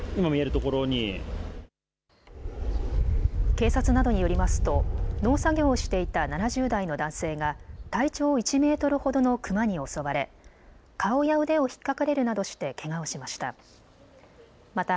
警察などによりますと農作業をしていた７０代の男性が体長１メートルほどのクマに襲われ顔や腕をひっかかれるなどしてけがをしました。